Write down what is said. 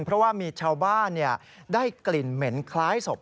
เพราะว่ามีชาวบ้านได้กลิ่นเหม็นคล้ายศพ